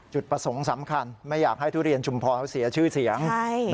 จุดประสงค์สำคัญไม่อยากให้ทุเรียนชุมพรเขาเสียชื่อเสียง